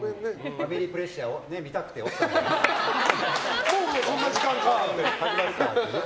ファミリープレッシャー見たくて起きたんだよね。